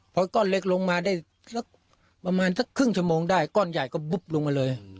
พอก้อนเล็กลงมาได้สักประมาณสักครึ่งชั่วโมงได้ก้อนใหญ่ก็บุ๊บลงมาเลย